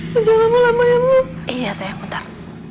jangan lama lama ya iya sayang bentar